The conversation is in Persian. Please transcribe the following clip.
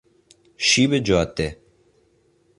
شیب جاده